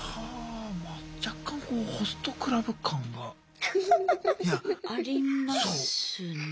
若干ホストクラブ感が。ありますねえ。